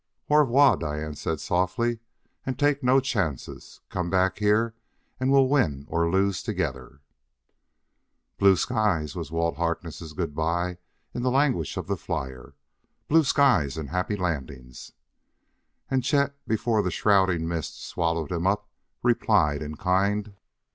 "Au 'voir," Diane said softly; "and take no chances. Come back here and we'll win or lose together." "Blue skies," was Walt Harkness' good by in the language of the flyer; "blue skies and happy landings!" And Chet, before the shrouding mist swallowed him up, replied in kind.